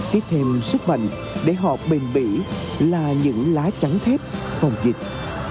kết thêm sức mạnh để họ bền bỉ là những lá trắng thép phòng dịch